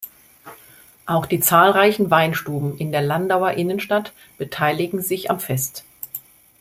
Auch die zahlreichen Weinstuben in der Landauer Innenstadt beteiligen sich am Fest.